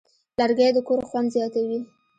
لرګی د کور خوند زیاتوي.